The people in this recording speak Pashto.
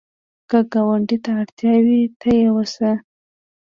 که ګاونډي ته اړتیا وي، ته یې وسه